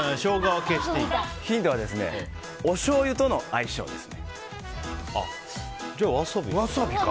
ヒントはおしょうゆとの相性です。